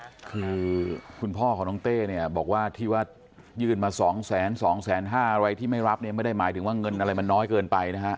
คือคุณพ่อของน้องเต้เนี่ยบอกว่าที่ว่ายื่นมา๒๒๕๐๐อะไรที่ไม่รับเนี่ยไม่ได้หมายถึงว่าเงินอะไรมันน้อยเกินไปนะฮะ